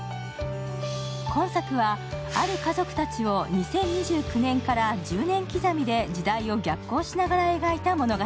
今作は、ある家族たちを２０２９年から１０年刻みで時代を逆行しながら描いた物語。